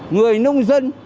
người nông dân